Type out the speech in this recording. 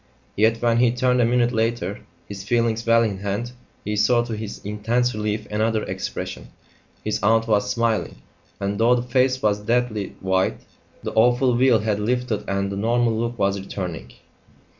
Yet, when he turned a minute later, his feelings well in hand, he saw to his intense relief another expression; his aunt was smiling, and though the face was deathly white, the awful veil had lifted and the normal look was returning.